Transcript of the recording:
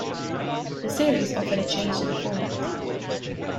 This series offered a change to the format.